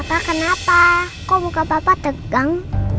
hai ah apa kenapa kau buka papa tegang